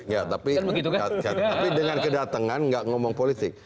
ya tapi dengan kedatangan nggak ngomong politik